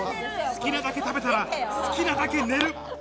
好きなだけ食べたら、好きなだけ寝る。